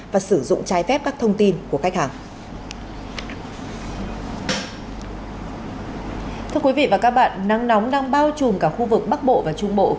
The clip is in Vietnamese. và sử dụng trái phép các thông tin của khách hàng